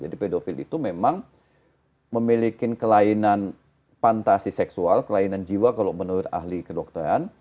jadi pedofil itu memang memiliki kelainan fantasi seksual kelainan jiwa kalau menurut ahli gejala